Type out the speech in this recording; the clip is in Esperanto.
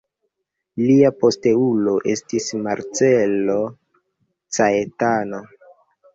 Lia posteulo estis Marcello Caetano.